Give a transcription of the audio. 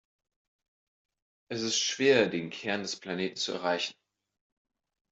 Es ist schwer, den Kern des Planeten zu erreichen.